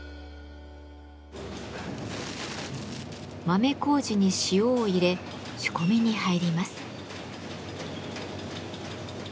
豆麹に塩を入れ仕込みに入ります。